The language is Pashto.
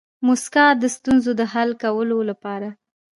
موسکا د ستونزو د حل کولو لپاره